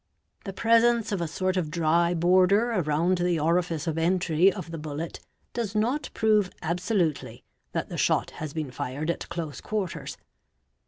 The _ presence of a sort of dry border around the orifice of entry of the bullet ~ does not prove absolutely that the shot has been fired at close quarters.